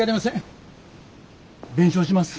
弁償します。